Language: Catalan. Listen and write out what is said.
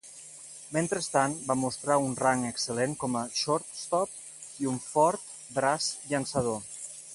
Mentrestant, va mostrar un rang excel·lent com a "shortstop" i un fort braç llançador.